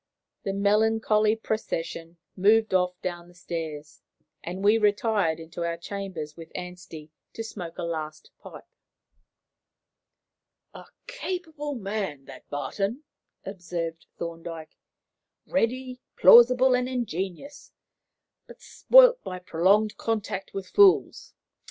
The melancholy procession moved off down the stairs, and we retired into our chambers with Anstey to smoke a last pipe. "A capable man, that Barton," observed Thorndyke "ready, plausible, and ingenious, but spoilt by prolonged contact with fools.